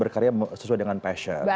berkarya sesuai dengan passion